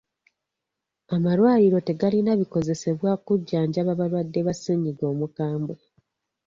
Amalwaliro tegalina bikozesebwa kujjanjaba balwadde ba ssennyinga omukabwe.